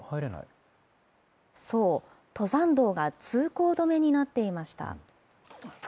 そう、登山道が通行止めになっていました。